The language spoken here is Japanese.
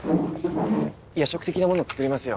夜食的なもの作りますよ。